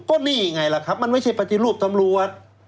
ก็นี่ไงล่ะครับมันไม่ใช่ปฏิรูปตำรวจ